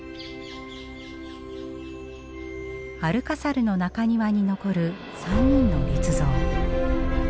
アルカサルの中庭に残る３人の立像。